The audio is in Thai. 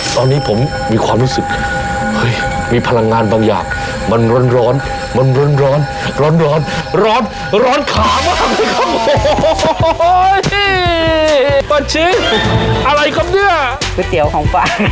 ตอนนี้ผมมีความรู้สึกมีพลังงานบางอย่างมันร้อน